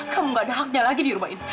kamu gak ada haknya lagi di rumah ini